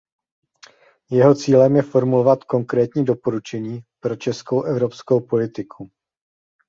Jeho cílem je formulovat konkrétní doporučení pro českou evropskou politiku.